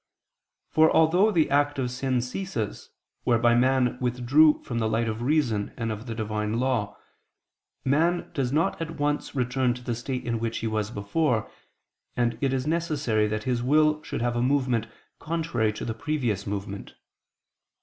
For although the act of sin ceases, whereby man withdrew from the light of reason and of the Divine law, man does not at once return to the state in which he was before, and it is necessary that his will should have a movement contrary to the previous movement.